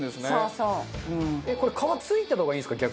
これ皮ついてた方がいいんですか？